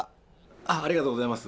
ありがとうございます。